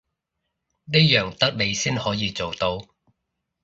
呢樣得你先可以做到